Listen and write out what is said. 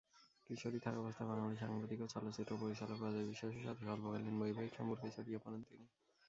কিশোরী থাকাবস্থায় বাঙালী সাংবাদিক ও চলচ্চিত্র পরিচালক অজয় বিশ্বাসের সাথে স্বল্পকালীন বৈবাহিক সম্পর্কে জড়িয়ে পড়েন তিনি।